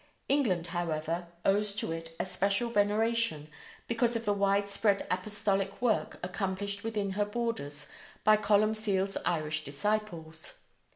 England, however, owes to it a special veneration, because of the widespread apostolic work accomplished within her borders by Columcille's Irish disciples.